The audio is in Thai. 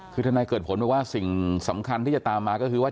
คือทนายเกิดผลบอกว่าสิ่งสำคัญที่จะตามมาก็คือว่า